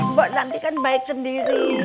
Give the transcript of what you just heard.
mbok nanti kan baik sendiri